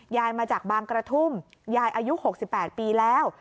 มาจากบางกระทุ่มยายอายุ๖๘ปีแล้ว